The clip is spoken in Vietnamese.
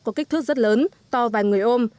có kích thước rất lớn to vàng người ôm